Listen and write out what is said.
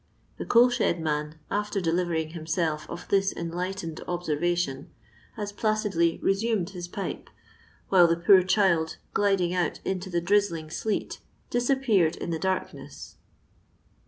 The coal shed man, after delivering himself of this enlightened observation, has pla cidly resumed his ppe, while the poor duld, gliding out into the dri«ding fleet, disappeared in the darkneff."